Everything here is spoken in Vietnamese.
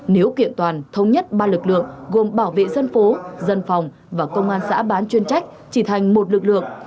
nếu kiện toàn thống nhất ba lực lượng gồm bảo vệ dân phố dân phòng và công an xã bán chuyên trách chỉ thành một lực lượng